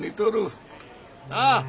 なあ！